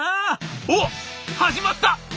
お始まった！」。